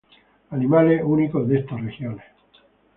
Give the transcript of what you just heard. Animales únicos de estas regiones.